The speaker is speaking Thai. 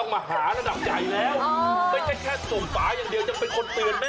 ต้องมาหาระดับใหญ่แล้วไม่ได้แค่ส่วนฝาอย่างเดียว